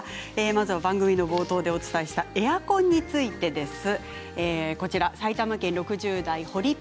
まずは番組の冒頭でお伝えしたエアコンについてです。